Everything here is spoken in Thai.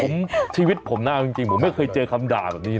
ไม่เอาคำคิดแบบนี้มาจากไหนเนี่ย